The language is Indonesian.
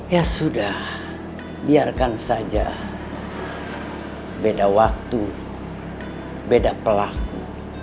ya sudah biarkan saja beda waktu beda pelaku